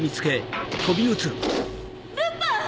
ルパン！